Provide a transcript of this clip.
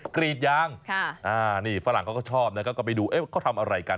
กรีดยางนี่ฝรั่งเขาก็ชอบนะครับก็ไปดูเขาทำอะไรกัน